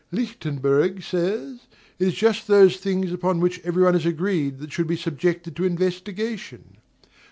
Lichtenburg says: "It is just those things upon which everybody is agreed that should be subjected to investigation."